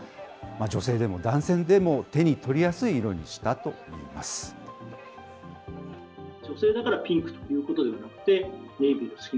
女性でも男性でも手に取りやすい色にしたといいます。